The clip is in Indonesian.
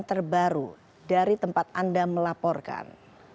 apa perkembangan terbaru dari tempat anda melaporkan